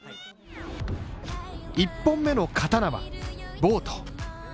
１本目の刀は、ボート。